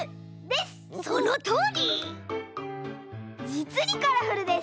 じつにカラフルです。